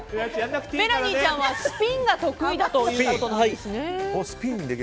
メラニーちゃんはスピンが得意だということです。